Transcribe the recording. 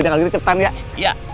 jangan gitu cepetan ya